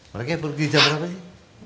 mereka pergi jam berapa sih